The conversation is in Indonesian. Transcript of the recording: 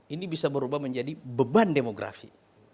ini bisa berubah menjadi beban demografi